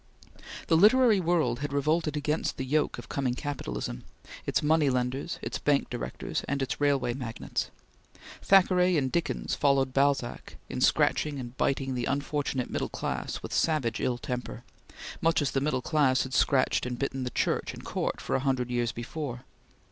The literary world had revolted against the yoke of coming capitalism its money lenders, its bank directors, and its railway magnates. Thackeray and Dickens followed Balzac in scratching and biting the unfortunate middle class with savage ill temper, much as the middle class had scratched and bitten the Church and Court for a hundred years before.